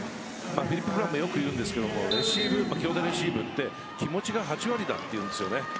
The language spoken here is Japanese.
フィリップ・ブランもよく言うんですけどレシーブって気持ちが８割だというんですね。